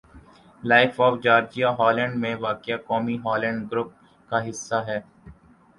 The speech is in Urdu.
لائف آف جارجیا ہالینڈ میں واقع قومی ہالینڈ گروپ کا حصّہ ہے